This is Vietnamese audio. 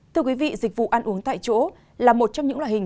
thưa quý vị dịch vụ ăn uống tại chỗ là một trong những loại hình